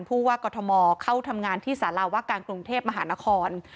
ผู้ว่ากรทมเข้าทำงานที่สารวการกรุงเทพมหานคร